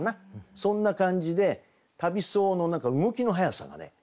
そんな感じで旅僧の動きの速さがね